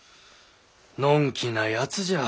のんきなやつじゃ。